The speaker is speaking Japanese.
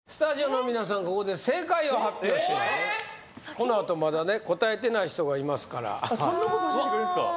このあとまだね答えてない人がいますからそんなこと教えてくれるんですか？